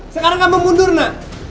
sekarang kamu mundur na